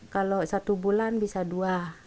kalau satu bulan bisa dua